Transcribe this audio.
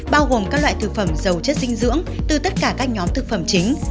bao gồm các loại thực phẩm dầu chất dinh dưỡng từ tất cả các nhóm thực phẩm chính